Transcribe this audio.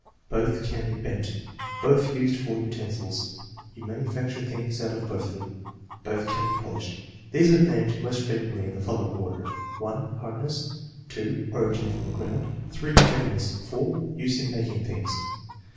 "Both can be bent." "Both used for utensils." *' You manufacture things out of both of them." "Both can be polished." These are named most frequently in the following order: (1) hardness, ( C 2) origin from the ground, (3) heaviness, (4) use in making things.